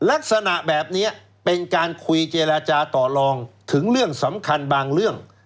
ลักษณะแบบนี้เป็นการคุยเจรจาต่อลองถึงเรื่องสำคัญบางเรื่อง